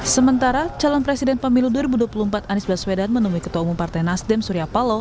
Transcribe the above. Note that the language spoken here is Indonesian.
sementara calon presiden pemilu dua ribu dua puluh empat anies baswedan menemui ketua umum partai nasdem surya paloh